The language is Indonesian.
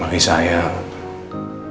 lalu kita berdua telah berdua sampai jumpa